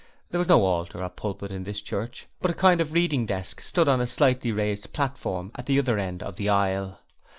There was no altar or pulpit in this church, but a kind of reading desk stood on a slightly raised platform at the other end of the aisle.